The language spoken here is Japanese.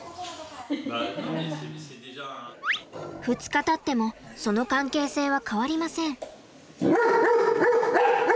２日たってもその関係性は変わりません。